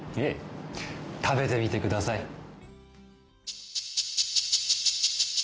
ええ食べてみてください